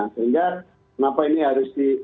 sehingga kenapa ini harus di pick up